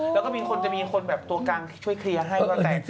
แล้วก็มีคนจะมีคนตัวการช่วยเคลียร์ให้ก่อนแต่